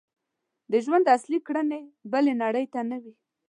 د ژوند اصلي کړنې بلې نړۍ ته نه وي.